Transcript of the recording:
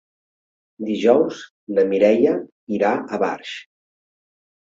Dijous na Mireia irà a Barx.